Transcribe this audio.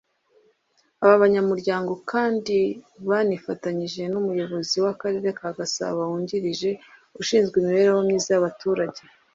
Aba banyamuryango kandi banifatanyije n’Umuyobozi w’akarere ka Gasabo wungirije ushinzwe imibereho myiza y’abaturage